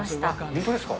本当ですか？